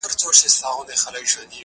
قلندر ته کار مهم د تربیت وو!.